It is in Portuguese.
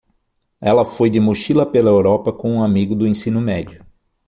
Ela foi de mochila pela Europa com um amigo do ensino médio.